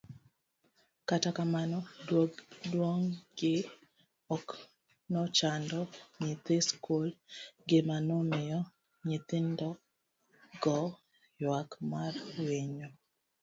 kata kamano duondgi ok nochando nyithi skul, gima nomiyo nyithindogo ywak mar winyo